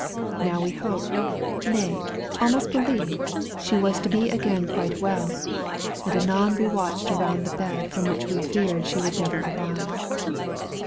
Now we hoped, nay, almost believed, she was to be again quite well, and anon we watched around a bed from which we feared she would never arise.